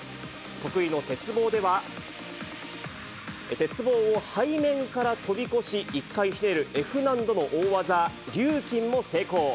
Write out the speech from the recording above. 得意の鉄棒では、鉄棒を背面から飛び越し、１回ひねるＦ難度の大技、リューキンも成功。